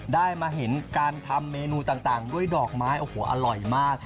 ได้มาเห็นการทำเมนูต่างด้วยดอกไม้โอ้โหอร่อยมาก